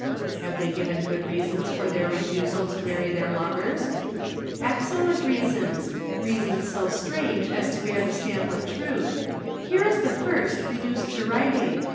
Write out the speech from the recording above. "Have they given good reasons for their refusal to marry their lovers?" "Excellent reasons. Reasons so strange as to bear the stamp of truth. Here is the first reduced to writing.